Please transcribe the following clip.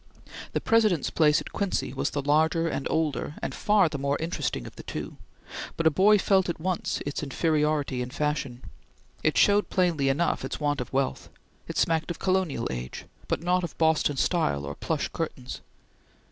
The President's place at Quincy was the larger and older and far the more interesting of the two; but a boy felt at once its inferiority in fashion. It showed plainly enough its want of wealth. It smacked of colonial age, but not of Boston style or plush curtains.